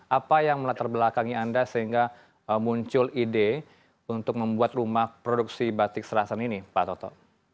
apa yang melatar belakangi anda sehingga muncul ide untuk membuat rumah produksi batik serasan ini pak toto